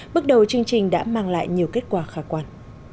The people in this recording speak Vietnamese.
bước đầu chương trình đã mang lại nhiều kết quả khả quan